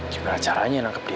gimana caranya nangkep dia